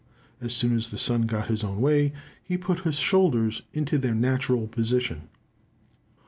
As soon as the son got his own way, he "put his shoulders into their natural position."